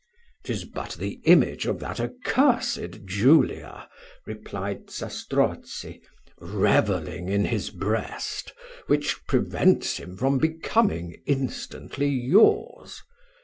"'Tis but the image of that accursed Julia," replied Zastrozzi, "revelling in his breast, which prevents him from becoming instantly yours.